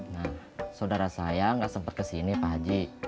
nah saudara saya nggak sempat kesini pak haji